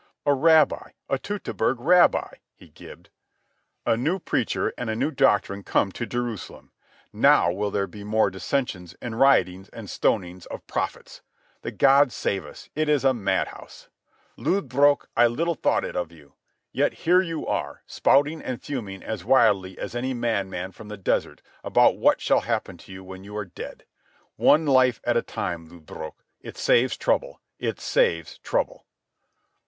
"A rabbi, a Teutoberg rabbi!" he gibed. "A new preacher and a new doctrine come to Jerusalem. Now will there be more dissensions, and riotings, and stonings of prophets. The gods save us, it is a mad house. Lodbrog, I little thought it of you. Yet here you are, spouting and fuming as wildly as any madman from the desert about what shall happen to you when you are dead. One life at a time, Lodbrog. It saves trouble. It saves trouble."